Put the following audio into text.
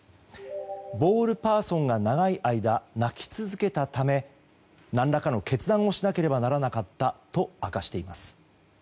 ボールパーソンが長い間、泣き続けたため何らかの決断をしなければならなかったと明かしています。